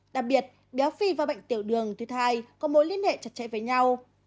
đặc biệt béo phì và bệnh tiểu đường tuyết thai có mối liên hệ chặt chẽ với nhau